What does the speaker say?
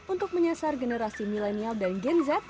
untuk menyasar generasi milenial dan gen z